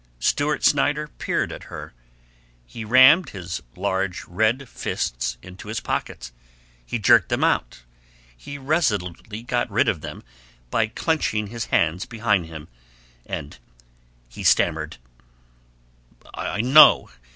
Stewart Snyder peered at her. He rammed his large red fists into his pockets, he jerked them out, he resolutely got rid of them by clenching his hands behind him, and he stammered: "I know.